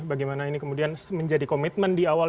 bagaimana ini kemudian menjadi komitmen di awal